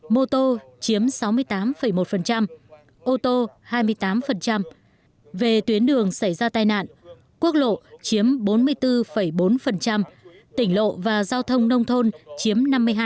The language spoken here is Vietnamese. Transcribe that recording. mô tô chiếm sáu mươi tám một ô tô hai mươi tám về tuyến đường xảy ra tai nạn quốc lộ chiếm bốn mươi bốn bốn tỉnh lộ và giao thông nông thôn chiếm năm mươi hai